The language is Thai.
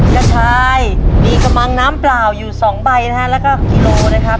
กระชายมีกระมังน้ำเปล่าอยู่สองใบนะฮะแล้วก็กิโลนะครับ